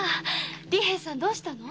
利平さんどうしたの？